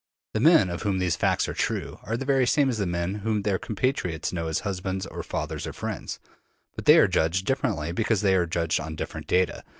The men of whom these facts are true are the very same as the men whom their compatriots know as husbands or fathers or friends, but they are judged differently because they are judged on different data.